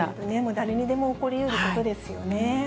誰にでも起こりうることですよね。